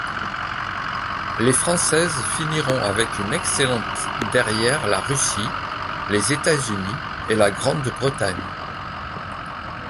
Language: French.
Les Françaises finiront avec une excellente derrière la Russie, les États-Unis et la Grande-Bretagne.